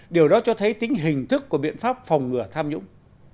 điều đó cho thấy tính hình thức của biện pháp phòng ngừa tham nhũng